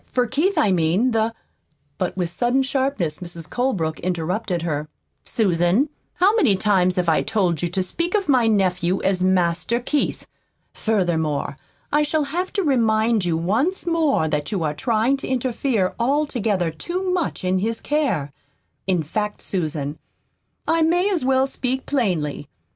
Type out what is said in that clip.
for Keith, I mean. The " But with sudden sharpness Mrs. Colebrook interrupted her. "Susan, how many times have I told you to speak of my nephew as 'Master Keith'? Furthermore, I shall have to remind you once more that you are trying to interfere altogether too much in his care. In fact, Susan, I may as well speak plainly.